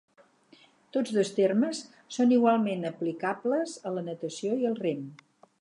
Tots dos termes són igualment aplicables a la natació i al rem.